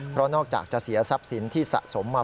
เพราะนอกจากจะเสียทรัพย์สินที่สะสมมา